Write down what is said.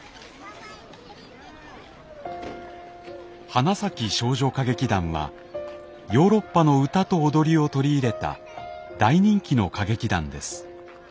花咲少女歌劇団はヨーロッパの歌と踊りを取り入れた大人気の歌劇団です。